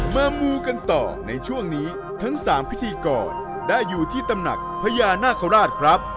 มูกันต่อในช่วงนี้ทั้ง๓พิธีกรได้อยู่ที่ตำหนักพญานาคาราชครับ